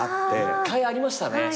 １回ありましたね。